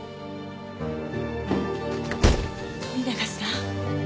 富永さん